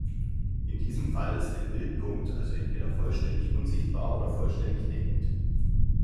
In diesem Fall ist ein Bildpunkt also entweder vollständig unsichtbar oder vollständig deckend.